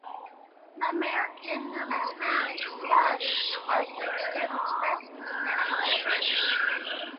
The American Numismatic Society has six different specimens in their collection.